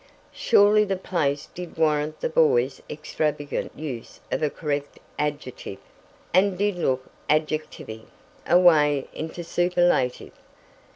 Surely the place did warrant the boy extravagant use of "a correct adjective," and did look "adjectivey" away into the superlative.